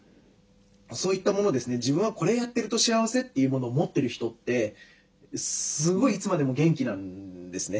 「自分はこれやってると幸せ」というものを持ってる人ってすごいいつまでも元気なんですね。